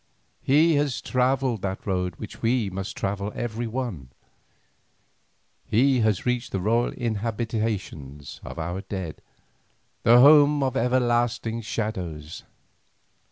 He has travelled that road which we must travel every one, he has reached the royal inhabitations of our dead, the home of everlasting shadows.